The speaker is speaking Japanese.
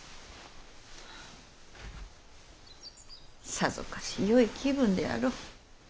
さぞかしよい気分であろう。